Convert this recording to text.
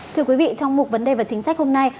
thưa quý vị trong mục vấn đề và chính sách hôm nay